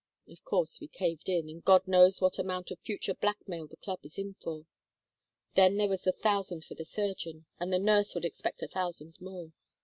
Of course we caved in and God knows what amount of future blackmail the Club is in for. Then there was the thousand for the surgeon, and the nurse would expect a thousand more.